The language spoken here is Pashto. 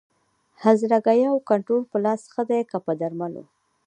د هرزه ګیاوو کنټرول په لاس ښه دی که په درملو؟